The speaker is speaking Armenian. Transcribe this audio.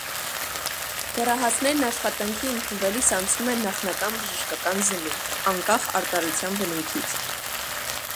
Դեռահասներն աշխատանքի ընդունվելիս անցնում են նախնական բժշկական զննում՝ անկախ արտարության բնույթից։